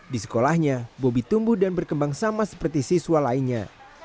di sekolahnya bobi tumbuh dan berkembang sama seperti siswa lainnya